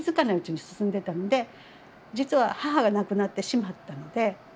ないうちに進んでたので実は母が亡くなってしまったので。